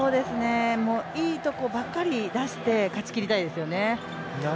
いいとこばかり出して勝ちきりたいですよね。